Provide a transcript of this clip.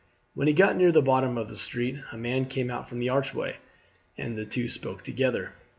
When he got near the bottom of the street a man came out from an archway, and the two spoke together.